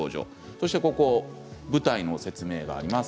そして舞台の説明があります。